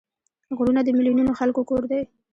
غرونه د میلیونونو خلکو کور دی